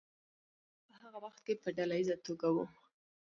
واده په هغه وخت کې په ډله ایزه توګه و.